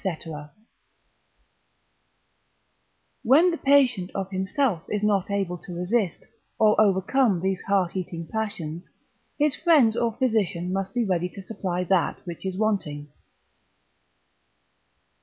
_ When the patient of himself is not able to resist, or overcome these heart eating passions, his friends or physician must be ready to supply that which is wanting.